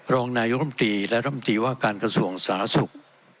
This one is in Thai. รองนายตรงมตรีและลำดีว่าการคส่วงสหสสุก